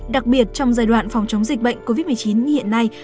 đặc biệt trong giai đoạn phòng chống dịch bệnh covid một mươi chín như hiện nay